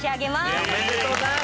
おめでとうございます！